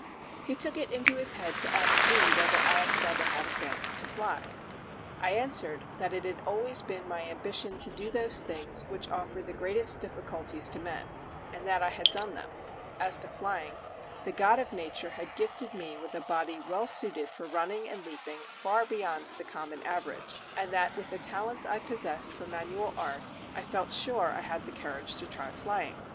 He took it into his head to ask me whether I had ever had a fancy to fly. I answered that it had always been my ambition to do those things which offer the greatest difficulties to men, and that I had done them; as to flying, the God of Nature had gifted me with a body well suited for running and leaping far beyond the common average, and that with the talents I possessed for manual art I felt sure I had the courage to try flying.